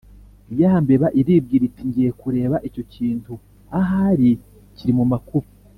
ya mbeba iribwira iti « ngiye kureba icyo kintu ahari kiri mu makuba